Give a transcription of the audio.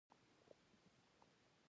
استاد د مشعل وړونکی دی.